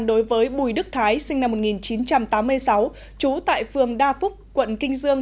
đối với bùi đức thái sinh năm một nghìn chín trăm tám mươi sáu trú tại phường đa phúc quận kinh dương